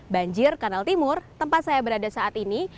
banjir kanal timur tempat saya berada saat ini